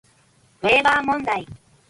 ウェーバー問題